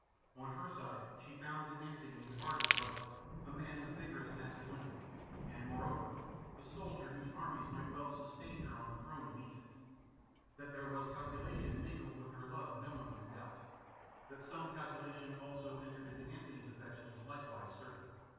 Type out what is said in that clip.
On her side she found in Antony an ardent lover, a man of vigorous masculinity, and, moreover, a soldier whose armies might well sustain her on the throne of Egypt. That there was calculation mingled with her love, no one can doubt. That some calculation also entered into Antony's affection is likewise certain.